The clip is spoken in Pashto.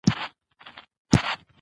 داخلي نظارت د تېروتنو مخه نیسي.